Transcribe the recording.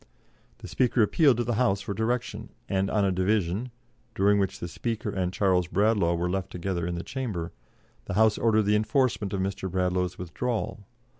The Speaker appealed to the House for direction, and on a division during which the Speaker and Charles Bradlaugh were left together in the chamber the House ordered the enforcement of Mr. Bradlaugh's withdrawal.